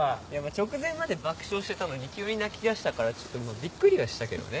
直前まで爆笑してたのに急に泣きだしたからちょっとびっくりはしたけどね。